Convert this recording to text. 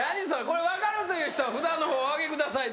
これ分かるという人は札の方お挙げください。